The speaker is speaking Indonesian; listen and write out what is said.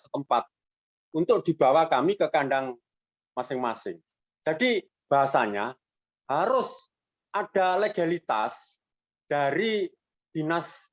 tempat untuk dibawa kami ke kandang masing masing jadi bahasanya harus ada legalitas dari dinas